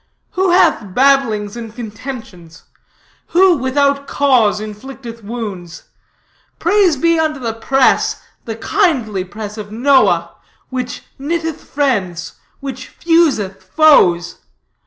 Who hath babblings and contentions? Who, without cause, inflicteth wounds? Praise be unto the press, the kindly press of Noah, which knitteth friends, which fuseth foes.